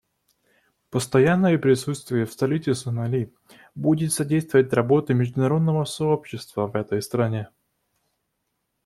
Постоянное присутствие в столице Сомали будет содействовать работе международного сообщества в этой стране.